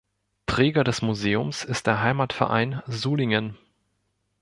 Träger des Museums ist der Heimatverein Sulingen.